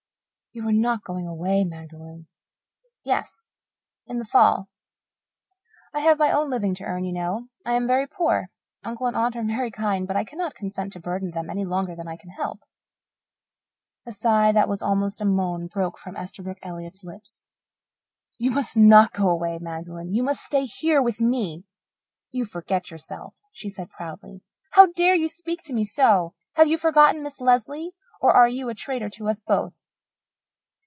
"You are not going away, Magdalen?" "Yes in the fall. I have my own living to earn, you know. I am very poor. Uncle and Aunt are very kind, but I cannot consent to burden them any longer than I can help." A sigh that was almost a moan broke from Esterbrook Elliott's lips. "You must not go away, Magdalen. You must stay here with me!" "You forget yourself," she said proudly. "How dare you speak to me so? Have you forgotten Miss Lesley? Or are you a traitor to us both?"